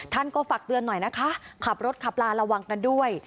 ท่านก็ฝากเตือนหน่อยนะคะขับรถขับลาระวังกันด้วย